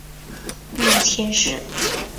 母秦氏。